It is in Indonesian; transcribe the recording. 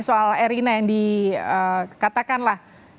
soal erina yang dikatakanlah